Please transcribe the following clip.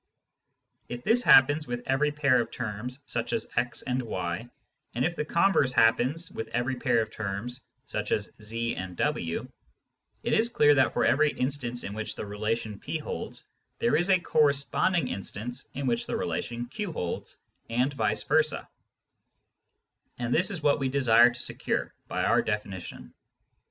If this happens with every pair of terms such as x and y, and if the converse happens with every pair of terms such as z and w, it is clear that for every instance in which the relation P holds there is a corresponding instance in which the relation Q holds, and vice versa ; and this is what we desire to secure by our definition.